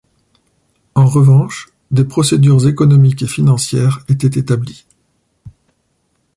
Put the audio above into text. En revanche, des procédures économiques et financières étaient établies.